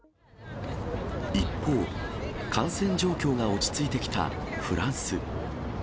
一方、感染状況が落ち着いてきたフランス。